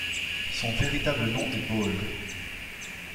Son véritable nom est Ball.